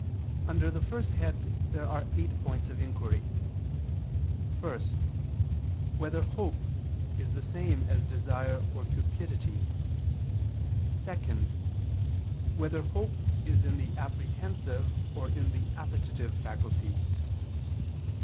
Under first head there are eight points of inquiry: (1) Whether hope is the same as desire or cupidity? (2) Whether hope is in the apprehensive, or in the appetitive faculty?